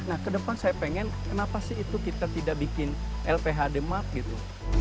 nah ke depan saya ingin kenapa sih itu kita tidak bikin lphd map gitu